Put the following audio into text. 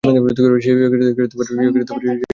সে ভেবেছিল সে হয়ত তোমাকে রক্ষা করতে পারবে।